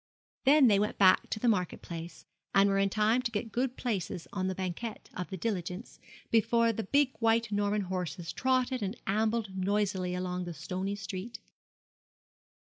Then they went back to the Market Place, and were in time to get good places on the banquette of the diligence, before the big white Norman horses trotted and ambled noisily along the stony street.